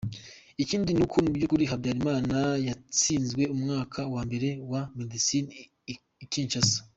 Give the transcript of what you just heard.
Ikindi ni uko mu byukuli Habyalimana yatsinzwe umwaka wa mbere wa médecine i Kinshasa.